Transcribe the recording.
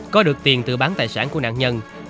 có được tiền từ bán tài sản của nạn nhân